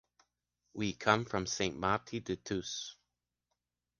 We come from Sant Martí de Tous.